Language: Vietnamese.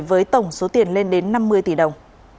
với tổng số tiền lên đến năm mươi tỷ đồng